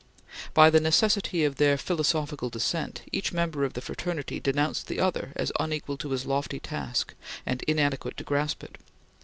By the necessity of their philosophical descent, each member of the fraternity denounced the other as unequal to his lofty task and inadequate to grasp it.